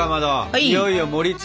いよいよ盛りつ。